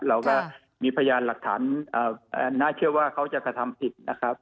เราก็มีพยานหลักฐานน่าเชื่อว่าเขาจะกระทำผิดนะครับ